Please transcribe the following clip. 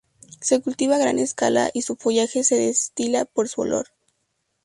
Se cultiva a gran escala y su follaje se destila por su olor.